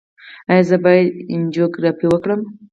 ایا زه باید انجیوګرافي وکړم؟